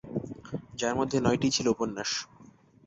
যার মধ্যে নয়টি ই ছিল উপন্যাস।